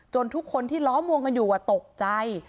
ทุกคนที่ล้อมวงกันอยู่ตกใจ